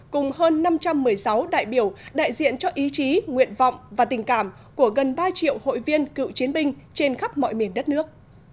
cùng hơn năm trăm một mươi sáu đại biểu đại diện cho ý chí nguyện vọng và tình cảm của gần ba triệu hội viên cựu chiến binh trên khắp mọi miền đất nước